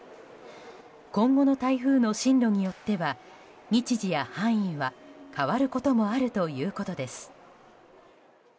今後の台風の進路によっては日時や範囲は変わることもあるということです。